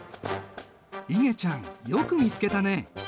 いげちゃんよく見つけたね。